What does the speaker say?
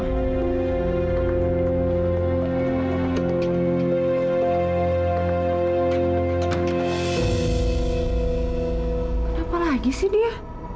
kenapa lagi sih dia